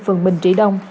phường bình trị đông